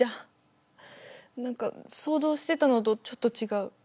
何か想像してたのとちょっと違う。